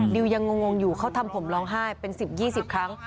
ดิวยังงงอยู่เขาทำผมร้องไห้เป็น๑๐๒๐ครั้ง